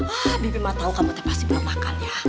ah bibi mah tau kamu pasti belum makan ya